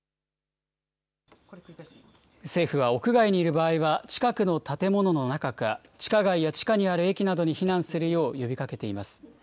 政府は屋外にいる場合は、近くの建物の中か、地下街や地下にある駅などに避難するよう呼びかけています。